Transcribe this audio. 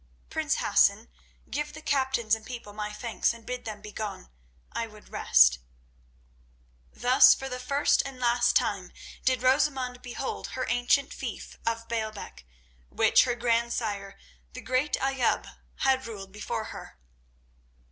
Prince Hassan, give the captains and people my thanks and bid them be gone. I would rest." Thus for the first and last time did Rosamund behold her ancient fief of Baalbec, which her grandsire, the great Ayoub, had ruled before her.